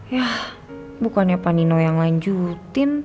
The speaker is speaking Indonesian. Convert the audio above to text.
yah bukannya panino yang lanjutin